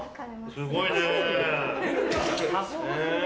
すごいね。